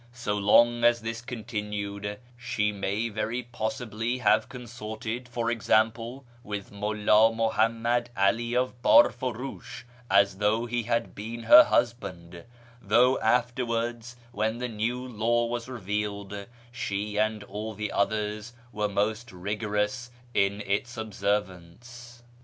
So long as this continued she may very possibly have consorted, for example, with Mulla Muhammad 'Ali of Barfurush as though he had been her husband, though afterwards, when the New Law was revealed, she and all the others were most rigorous in its observance."